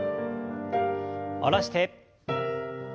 下ろして。